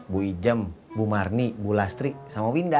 bu ijem bu marni bu lastri sama winda